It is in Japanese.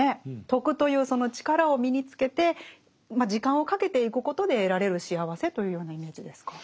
徳というその力を身につけて時間をかけていくことで得られる幸せというようなイメージですか？